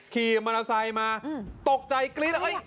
ขี่มอเตอร์ไซค์มาตกใจกริ๊ด